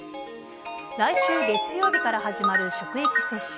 来週月曜日から始まる職域接種。